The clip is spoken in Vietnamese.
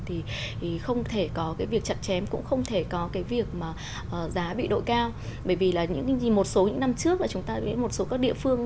thì không thể có cái việc chặt chém cũng không thể có cái việc mà giá bị đội cao bởi vì là một số những năm trước là chúng ta một số các địa phương